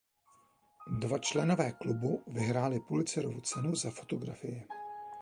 Dva členové klubu vyhráli Pulitzerovu cenu za fotografii.